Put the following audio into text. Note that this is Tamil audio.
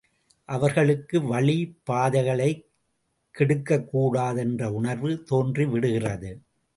அவர்களுக்கு வழிப் பாதைகளைக் கெடுக்கக் கூடாது என்ற உணர்வு தோன்றிவிடுகிறது.